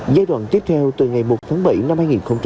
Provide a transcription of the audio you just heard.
giai đoạn tiếp theo từ ngày một tháng bảy năm hai nghìn hai mươi